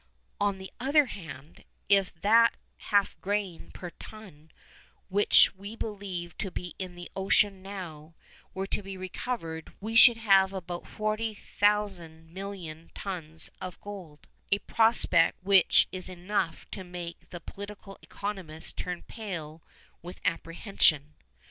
On the other hand, if that half grain per ton which we believe to be in the ocean now were to be recovered we should have about 40,000 million tons of gold, a prospect which is enough to make the political economist turn pale with apprehension.